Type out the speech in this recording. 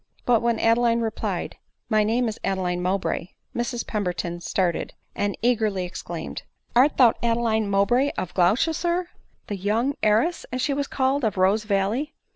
But when Adeline replied, " My name is Adeline Mowbray," Mrs Pemberton start ed, and eagerly exclaimed, " Art thou Adeline Mowbray of Gloucestershire — the young heiress, as she was called, of Rosevalley